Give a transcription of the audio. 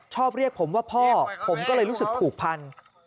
ชอบเรียกผมว่าพ่อผมก็เลยรู้สึกผูกพัน